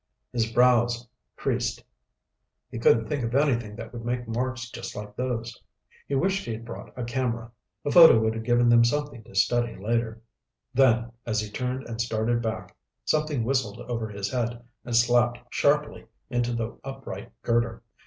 His brows creased. He couldn't think of anything that would make marks just like those. He wished he had brought a camera. A photo would have given them something to study later. Then, as he turned and started back, something whistled over his head and slapped sharply into the upright girder.